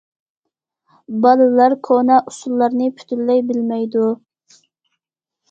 بالىلار كونا ئۇسۇللارنى پۈتۈنلەي بىلمەيدۇ.